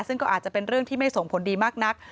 ซึ่งก็อาจจะเป็นเรื่องที่ไม่ส่งผลดีมากนัก